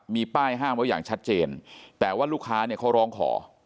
มีป้ายห้ามไว้อย่างชัดเจนแต่ว่าลูกค้าเนี่ยเขาร้องขอ